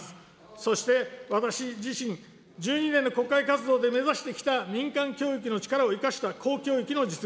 そして、私自身、１２年の国会活動で目指してきた、民間教育の力を生かした公教育の実現。